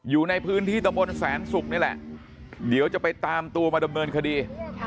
อยู่ในพื้นที่ตะมนต์แสนศุกร์นี่แหละเดี๋ยวจะไปตามตัวมาดำเนินคดี